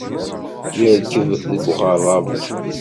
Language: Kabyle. Yerkeb deg uɣaṛabu